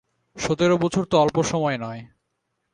সতের বছর তো অল্প সময় নয়।